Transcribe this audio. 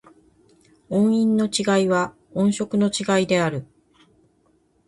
音韻の違いは、音色の違いである。